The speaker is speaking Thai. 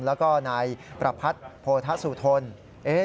และก็นายประพัทย์โภษะสุทธัณฑ์